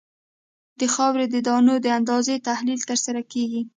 د خاورې د دانو د اندازې تحلیل ترسره کیږي